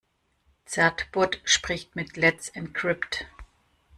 Certbot spricht mit Let's Encrypt.